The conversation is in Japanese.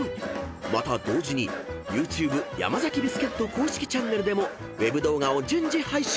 ［また同時にＹｏｕＴｕｂｅヤマザキビスケット公式チャンネルでもウェブ動画を順次配信。